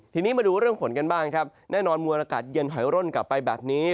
ทีนี้มาดูเรื่องฝนกันบ้างครับแน่นอนมวลอากาศเย็นถอยร่นกลับไปแบบนี้